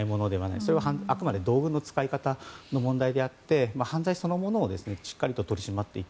それはあくまで道具の使い方の問題であって犯罪そのものをしっかりと取り締まっていく。